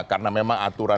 karena memang aturan